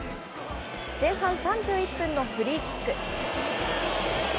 前半３１分のフリーキック。